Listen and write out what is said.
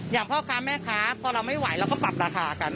พ่อค้าแม่ค้าพอเราไม่ไหวเราก็ปรับราคากัน